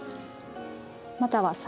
または酒。